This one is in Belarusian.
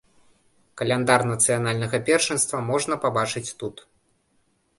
Каляндар нацыянальнага першынства можна пабачыць тут.